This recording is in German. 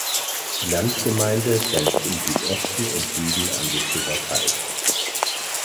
Die Landgemeinde grenzt im Südosten und Süden an die Slowakei.